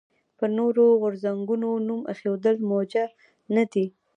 پر نورو غورځنګونو نوم ایښودل موجه نه دي.